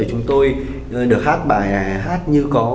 chúng tôi được hát bài hát như có